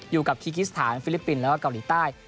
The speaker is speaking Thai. อยู่กับคิกิสถานฟิลิปปินส์แล้วก็เกาหลีใต้